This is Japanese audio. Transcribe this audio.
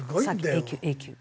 Ａ級Ａ級。